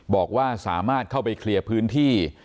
บอกว่าสามารถเข้าไปเคลียร์พื้นที่